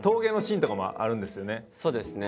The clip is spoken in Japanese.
そうですね。